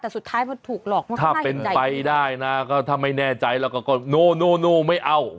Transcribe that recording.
แต่สุดท้ายไม่ถูกหรอกท่าน่าอย่างใหญ่นะถ้าเป็นไปได้นะถ้าไม่แน่ใจเราก็โน่ไม่เอา